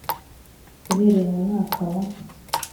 uhereye mu mwaka wa